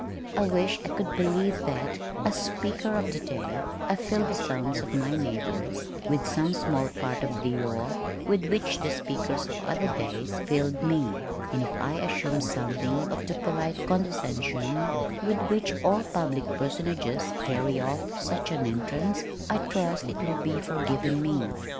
I wish I could believe that as "Speaker of the Day," I filled the sons of my neighbors with some small part of the awe with which the speakers of other days filled me, and if I assumed something of the polite condescension with which all public personages carry off such an entrance, I trust it will be forgiven me.